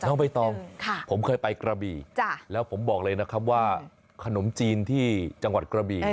น้องใบตองผมเคยไปกระบี่แล้วผมบอกเลยนะครับว่าขนมจีนที่จังหวัดกระบี่